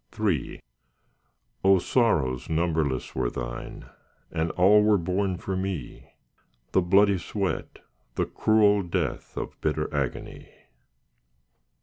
III O sorrows numberless were Thine, And all were borne for me— The bloody sweat, the cruel death Of bitter agony.